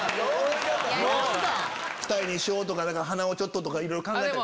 ふた重にしようとか鼻をちょっととかいろいろ考えたり。